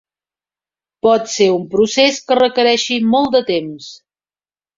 Pot ser un procés que requereixi molt de temps.